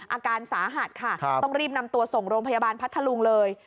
อาการสาหัสค่ะต้องรีบนำตัวส่งโรงพยาบาลพัทธลุงเลย